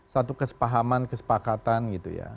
satu kesepahaman kesepakatan gitu ya